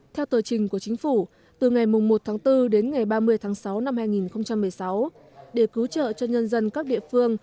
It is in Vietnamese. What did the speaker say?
theo tờ trình của chính phủ từ ngày một bốn đến ngày ba mươi sáu hai nghìn một mươi sáu để cứu trợ cho nhân dân các địa phương